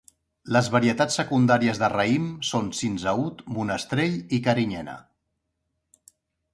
Les varietats secundàries de raïm són cinsaut, monestrell i carinyena.